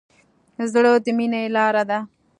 زړه د مینې لاره ده.